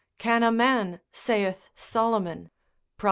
Can a man, saith Solomon, Prov.